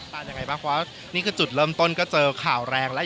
ยังไงบ้างเพราะว่านี่คือจุดเริ่มต้นก็เจอข่าวแรงแล้ว